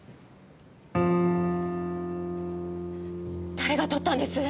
誰が撮ったんです！？